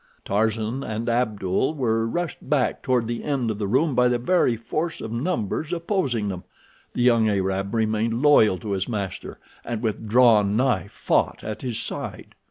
Tarzan and Abdul were rushed back toward the end of the room by the very force of numbers opposing them. The young Arab remained loyal to his master, and with drawn knife fought at his side.